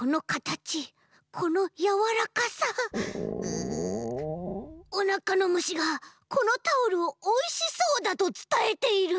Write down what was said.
ううおなかのむしがこのタオルをおいしそうだとつたえている。